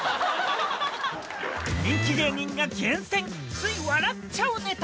人気芸人が厳選、つい笑っちゃうネタ。